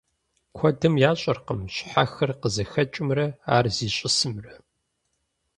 Куэдым ящӀэркъым щхьэхыр къызыхэкӀымрэ ар зищӀысымрэ.